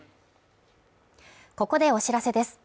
ここでお知らせです。